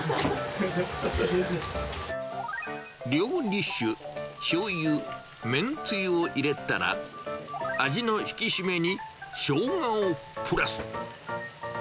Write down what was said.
料理酒、しょうゆ、めんつゆを入れたら、味の引き締めにショウガをプラス。